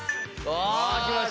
ああ！